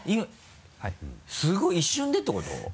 すごい一瞬でってこと？